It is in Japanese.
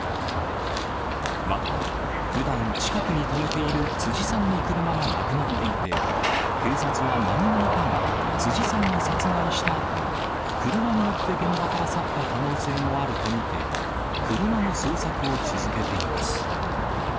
また、ふだん、近くに止めている辻さんの車がなくなっていて、警察は何者かが辻さんを殺害したあと、車に乗って現場から去った可能性もあると見て、車の捜索を続けています。